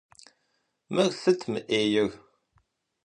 Мыр сыт мы Ӏейр?